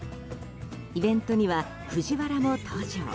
イベントにはＦＵＪＩＷＡＲＡも登場。